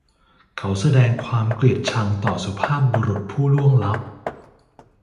เขาแสดงความเกลียดชังต่อสุภาพบุรุษผู้ล่วงลับ